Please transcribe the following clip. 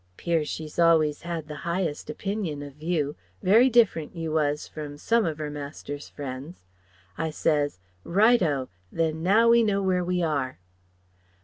'Pears she's always had the highest opinion of you; very different, you was, from some of 'er master's friends. I says 'Right o; then now we know where we are.'